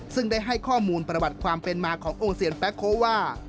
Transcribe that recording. ซึ่งได้ให้ข้อมูลประวัติความเป็นมาขององค์เซียนแป๊โค้ว่า